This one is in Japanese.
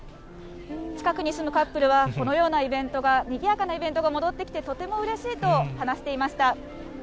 近くに住むカップルは、このようなイベントが、にぎやかなイベントが戻ってきてとてもうれしいと話していました。